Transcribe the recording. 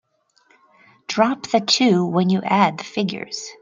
Drop the two when you add the figures.